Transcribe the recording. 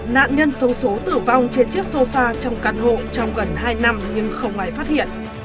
nạn nhân số xố tử vong trên chiếc sofa trong căn hộ trong gần hai năm nhưng không ai phát hiện